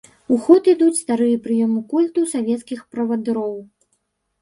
У ход ідуць старыя прыёмы культу савецкіх правадыроў.